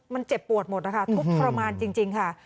มันเจ็บปวดหมดนะคะทุกข์ทรมานจริงค่ะ